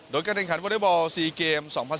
โดยการแข่งขันวอเตอร์บอล๔เกม